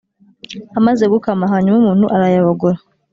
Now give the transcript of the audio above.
Amaze gukama hanyuma umuntu arayabogora